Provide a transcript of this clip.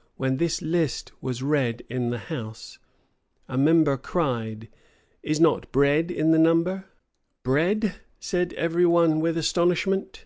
[] When this list was read in the house, a member cried, "Is not bread in the number?" "Bread," said every one with astonishment.